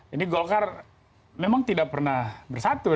ini golkar memang tidak pernah bersatu